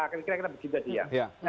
kira kira begitu saja